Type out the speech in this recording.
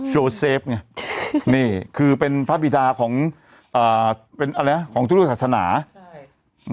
โชว์เซฟไงนี่คือเป็นพระบิดาของอ่าเป็นอะไรนะของทุกศาสนาใช่อืม